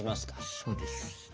そうです。